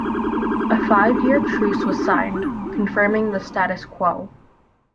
A five-year truce was signed, confirming the status quo.